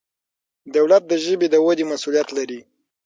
دولت د ژبې د ودې مسؤلیت لري.